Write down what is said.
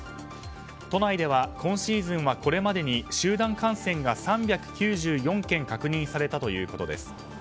都内では今シーズンはこれまでに集団感染が３９４件確認されたということです。